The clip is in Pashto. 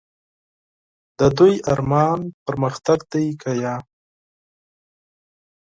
د دوی ارمان پرمختګ دی که نه ؟